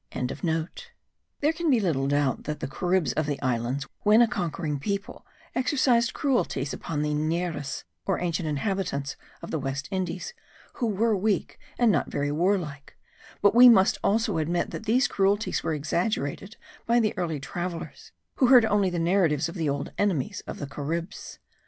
There can be little doubt that the Caribs of the islands, when a conquering people, exercised cruelties upon the Ygneris, or ancient inhabitants of the West Indies, who were weak and not very warlike; but we must also admit that these cruelties were exaggerated by the early travellers, who heard only the narratives of the old enemies of the Caribs.